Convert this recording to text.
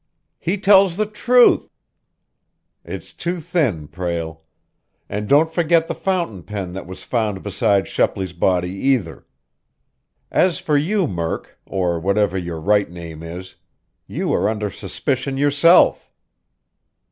"He tells the truth " "It's too thin, Prale! And don't forget the fountain pen that was found beside Shepley's body, either! As for you Murk, or whatever your right name is, you are under suspicion yourself."